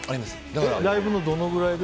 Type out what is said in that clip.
ライブのどのくらいで？